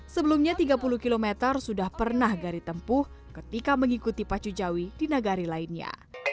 sebelumnya tiga puluh km sudah pernah gari tempuh ketika mengikuti pacu jawi di nagari lainnya